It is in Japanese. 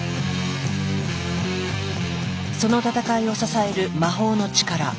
その戦いを支える魔法の力。